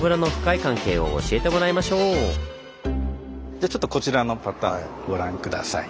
じゃあちょっとこちらのパターンご覧下さい。